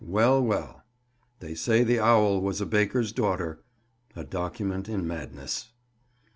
Well, well. They say the owl was a baker's daughter; a document in madness.